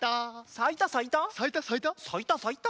さいたさいた。